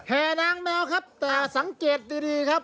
นางแมวครับแต่สังเกตดีครับ